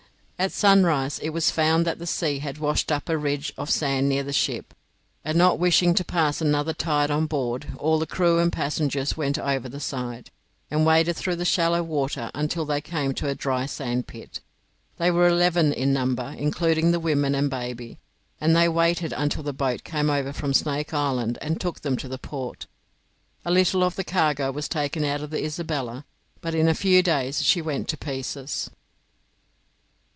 At sunrise it was found that the sea had washed up a ridge of sand near the ship, and, not wishing to pass another tide on board, all the crew and passengers went over the side, and waded through the shallow water until they came to a dry sand pit. They were eleven in number, including the women and baby, and they waited until the boat came over from Snake Island and took them to the port. A little of the cargo was taken out of the 'Isabella', but in a few days she went to pieces.